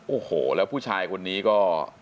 โอ้โหแล้วผู้ชายคนนี้ก็